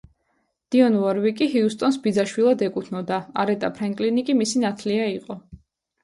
დიონ ვორვიკი ჰიუსტონს ბიძაშვილად ეკუთვნოდა, არეტა ფრენკლინი კი მისი ნათლია იყო.